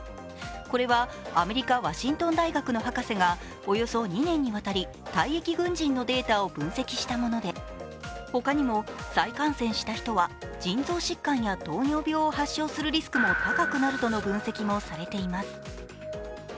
これはアメリカ・ワシントン大学の博士がおよそ２年にわたり、退役軍人のデータを分析したものでほかにも、再感染した人は腎臓疾患や糖尿病を発症するリスクも高くなるとの分析もされています。